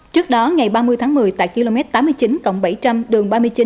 trước đó ngày ba mươi tháng một mươi tại km tám mươi chín cộng bảy trăm linh đường ba mươi chín